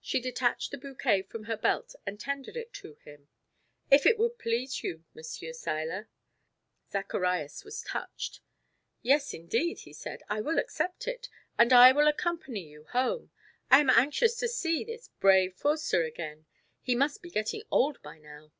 She detached the bouquet from her belt and tendered it to him. "If it would please you, Monsieur Seiler." Zacharias was touched. "Yes, indeed," he said, "I will accept it, and I will accompany you home. I am anxious to see this brave Foerster again. He must be getting old by now."